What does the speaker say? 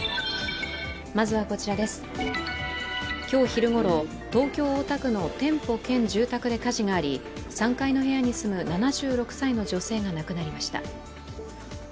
今日昼ごろ、東京・大田区の店舗兼住宅で火事があり３階の部屋に住む、７６歳の女性が亡くなりました。